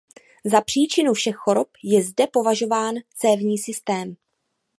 Za příčinu všech chorob je zde považován cévní systém.